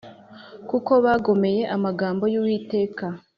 Kuko bagomeye amagambo yuwiteka